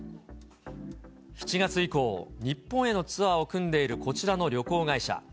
７月以降、日本へのツアーを組んでいるこちらの旅行会社。